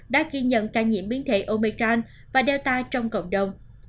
đã ghi nhận ca nhiễm biến thể omicron và delta trong cộng đồng